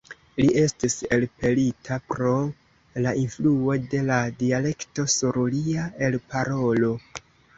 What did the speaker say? Li estis elpelita, pro la influo de la dialekto sur lia elparolo.